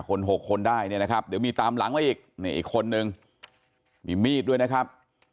๕คน๖คนได้นะครับจะมีตามหลังอีกคนนึงมีมีดด้วยนะครับ